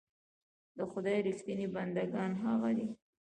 د خدای رښتيني بندګان هغه دي.